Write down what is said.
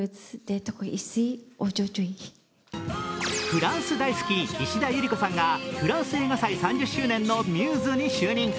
フランス大好き石田ゆり子さんがフランス映画祭３０周年のミューズに就任。